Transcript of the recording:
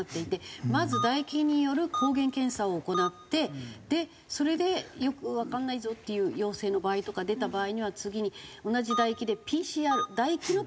まず唾液による抗原検査を行ってそれでよくわかんないぞっていう陽性の場合とか出た場合には次に同じ唾液でＰＣＲ唾液のＰＣＲ検査をやると。